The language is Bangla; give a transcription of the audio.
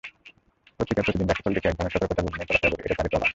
পত্রিকায় প্রতিদিন রাশিফল দেখে একধরনের সতর্কতাবোধ নিয়ে চলাফেরা করে, এটি তারই প্রমাণ।